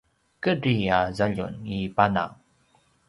kedri a zaljum i pana